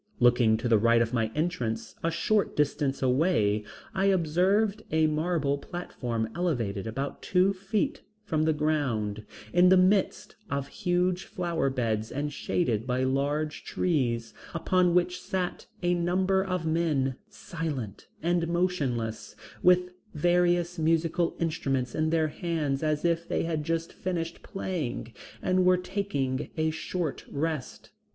Looking to the right of the entrance, a short distance away, I observed a marble platform elevated about two feet from the ground, in the midst of huge flower beds and shaded by large trees, upon which sat a number of men, silent and motionless, with various musical instruments in their hands as if they had just finished playing and were taking a short rest.